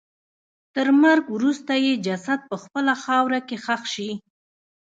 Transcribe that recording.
تر مرګ وروسته یې جسد په خپله خاوره کې ښخ شي.